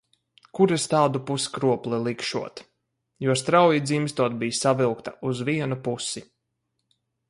Kur es tādu puskropli likšot, jo strauji dzimstot bija savilkta uz vienu pusi.